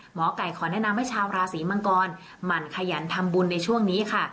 หมอไก่ขอแนะนำให้ชาวราศีมังกรหมั่นขยันทำบุญในช่วงนี้ค่ะ